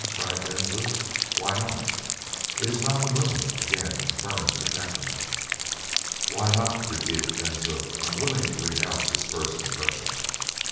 cried Ben Zoof. "Why not?" "It is not the moon," again affirmed the captain. "Why not?" repeated Ben Zoof, unwilling to renounce his first impression.